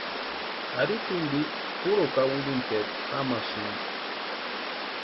Ari tumpi puru kawinterku jamasïnti.